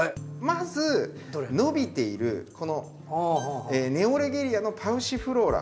まず伸びているこのネオレゲリアのパウシフローラ。